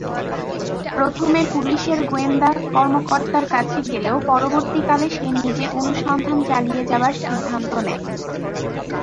প্রথমে পুলিশের গোয়েন্দা কর্মকর্তার কাছে গেলেও পরবর্তীকালে সে নিজে অনুসন্ধান চালিয়ে যাবার সিদ্ধান্ত নেয়।